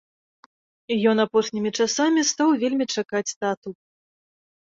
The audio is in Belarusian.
Ён апошнімі часамі стаў вельмі чакаць тату.